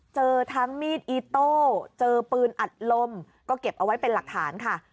เจอทั้งมีดอิโต้เจอปืนอัดลมก็เก็บเอาไว้เป็นหลักฐานค่ะ